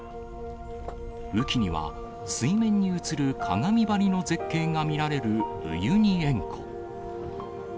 雨期には水面に映る鏡張りの絶景が見られるウユニ塩湖。